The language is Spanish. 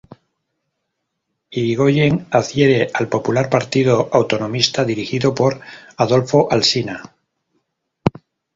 Irigoyen adhiere al popular Partido Autonomista dirigido por Adolfo Alsina.